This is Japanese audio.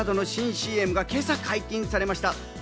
ＣＭが今朝解禁されました。